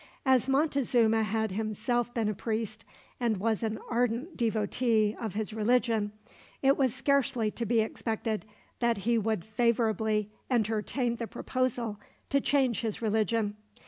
As Montezuma had himself been a priest, and was an ardent devotee of his religion, it was scarcely to be expected that he would favorably entertain the proposal to change his religion.